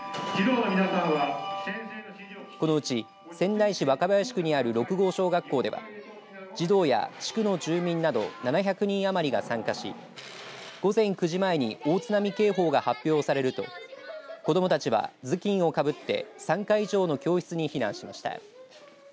仙台市若林区にある六郷小学校では児童や地区の住民など７００人余りが参加し午前９時前に大津波警報が発表されると子どもたちは頭巾をかぶって３階以上の教室に避難しました。